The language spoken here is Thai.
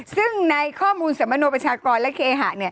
ซึ่งในข้อมูลสมโนประชากรและเคหะ